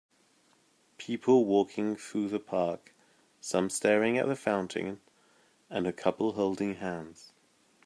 People walking through the park some staring at the fountain, and a couple holding hands.